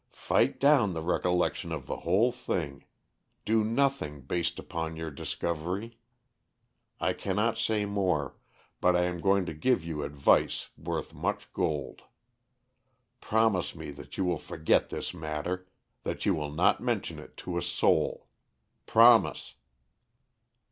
"Fight down the recollection of the whole thing; do nothing based upon your discovery. I cannot say more, but I am going to give you advice worth much gold. Promise me that you will forget this matter; that you will not mention it to a soul. Promise!"